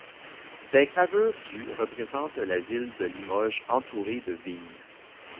Des gravures du représentent la ville de Limoges entourée de vignes.